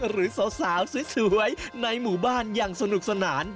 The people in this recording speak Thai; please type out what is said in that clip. หรือสาวสวยในหมู่บ้านอย่างสนุกสนาน